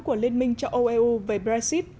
của liên minh châu âu eu về brexit